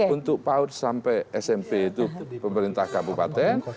untuk paut sampai smp itu pemerintah kabupaten